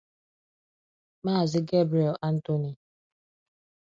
Maazị Gabriel Anthony